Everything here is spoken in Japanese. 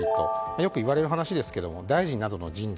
よく言われる話ですが大臣などの人事